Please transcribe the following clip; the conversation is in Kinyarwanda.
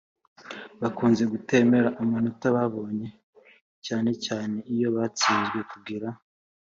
bakunze kutemera amanota babonye cyanecyane iyo batsinzwe. kugira